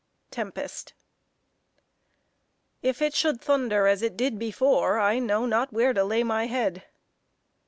TEMPEST. If it should thunder as it did before, I know not where to lay my head.